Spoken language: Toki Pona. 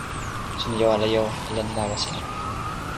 sina jo ala jo e len lawa sina.